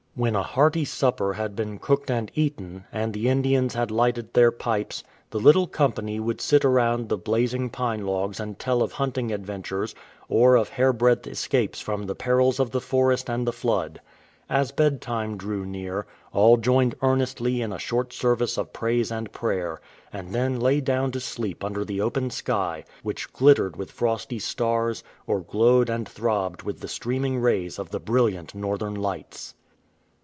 When a hearty supper had been cooked and eaten, and the Indians had lighted their pipes, the little company would sit around the blazing pine logs and tell of hunting adventures, or of hairbreadth escapes from the perils of the forest and the flood. As bedtime drew near, all joined earnestly in a short service of praise and prayer, and then lay down to sleep under the open sky, which glittered with frosty stars, or glowed and throbbed with the streaming rays of the brilliant Northern Lights.